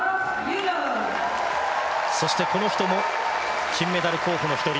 そしてこの人も金メダル候補の１人。